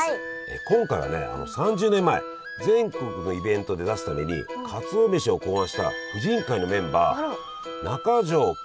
今回はね３０年前全国のイベントで出すためにかつお飯を考案した婦人会のメンバー中城精子さんのエピソードです。